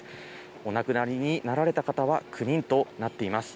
お亡くなりになられた方は９人となっています。